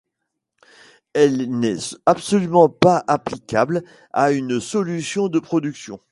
Elle n'est absolument pas applicable à une solution de production.